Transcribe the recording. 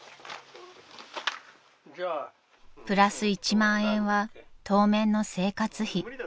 ［プラス１万円は当面の生活費］